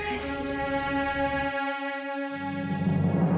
terima kasih kak fadil